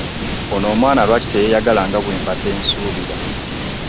Ono omwana lwaki teyeyagala nga wembadde nsuubira?